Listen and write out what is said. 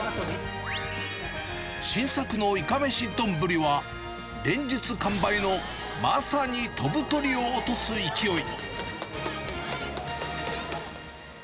新作のいかめしどんぶりは、連日完売のまさに飛ぶ鳥を落とす勢い。